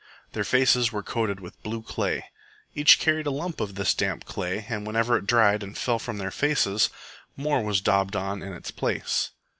Their faces were coated with blue clay. Each carried a lump of this damp clay, and, whenever it dried and fell from their faces, more was daubed on in its place.